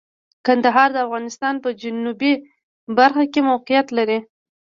کندهار د افغانستان په جنوبی برخه کې موقعیت لري.